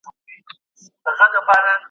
فشار د خبرو ناسم برداشت رامنځته کوي.